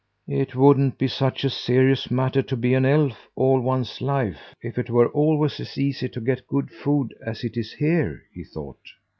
"It wouldn't be such a serious matter to be an elf all one's life if it were always as easy to get good food as it is here," he thought.